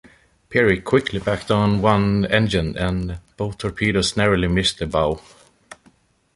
"Peary" quickly backed on one engine and both torpedoes narrowly missed the bow.